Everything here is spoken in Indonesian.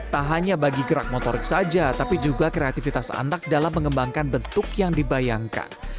tak hanya bagi gerak motorik saja tapi juga kreativitas anak dalam mengembangkan bentuk yang dibayangkan